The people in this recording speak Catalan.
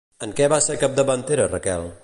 En què va ser capdavantera Raquel?